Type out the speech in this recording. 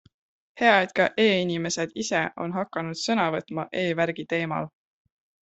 Hea, et ka e-inimesed ise on hakanud sõna võtma e-värgi teemal.